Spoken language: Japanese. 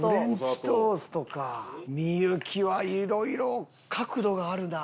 幸はいろいろ角度があるな。